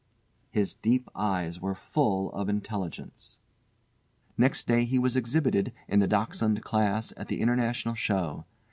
His deep eyes were full of intelligence. Next day he was exhibited in the Dachshund class at the International show.